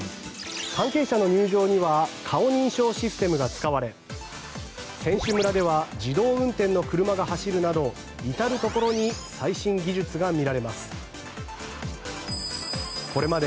関係者の入場には顔認識システムが使われ選手村では自動運転の車が走るなど至るところに最新技術が見られます。